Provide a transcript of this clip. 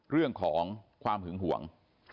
เรื่องของความหึงห่วง